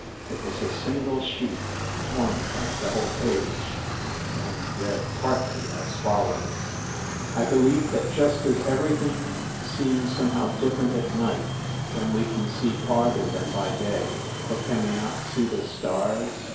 It was a single sheet, torn from a double page, and read partly as follows : "I believe that just as everything seems some how different at night ‚ÄĒ when we can see farther than by day ; for can we not see the stars